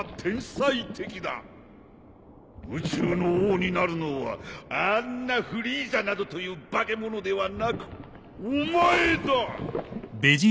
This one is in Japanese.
宇宙の王になるのはあんなフリーザなどという化け物ではなくお前だ。